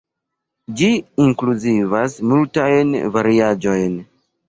Ĝi inkluzivas multajn variaĵojn.